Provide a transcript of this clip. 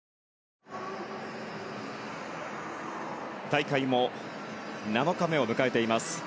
大会も７日目を迎えています。